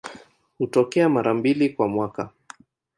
Hutokea mara mbili kwa mwaka.